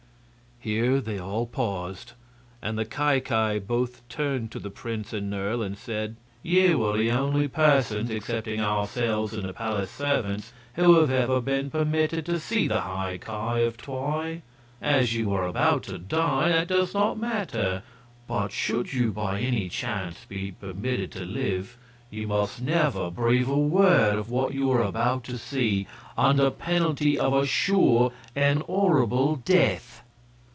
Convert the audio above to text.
Here they all paused, and the Ki Ki both turned to the prince and Nerle and said: "You are the only persons, excepting ourselves and the palace servants, who have ever been permitted to see the High Ki of Twi. As you are about to die, that does not matter; but should you by any chance be permitted to live, you must never breathe a word of what you are about to see, under penalty of a sure and horrible death."